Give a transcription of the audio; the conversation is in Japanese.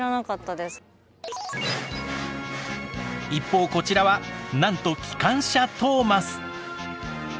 一方こちらはなんときかんしゃトーマス！